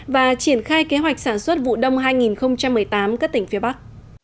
và triển khai kế hoạch sản xuất vụ đông hai nghìn một mươi tám các tỉnh phía bắc